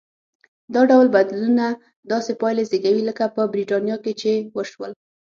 دا ډول بدلونونه داسې پایلې زېږوي لکه په برېټانیا کې چې وشول.